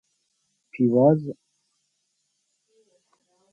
پیواز